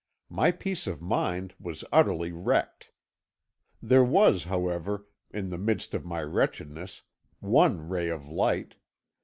My peace of mind was utterly wrecked. There was, however, in the midst of my wretchedness, one ray of light.